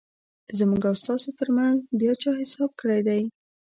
زموږ او ستاسو ترمنځ بیا چا حساب کړیدی؟